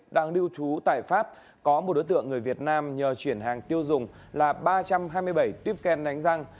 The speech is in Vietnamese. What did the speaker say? đang lưu thú tại pháp có một đối tượng người việt nam nhờ chuyển hàng tiêu dùng là ba trăm hai mươi bảy tiếp kè nánh răng